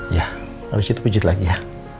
ya harus itu pujit lagi ya